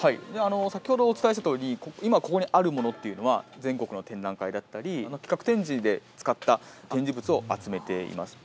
先ほどお伝えしていたとおり今ここにあるものっていうのは全国の展覧会だったり企画展示で使った展示物を集めています。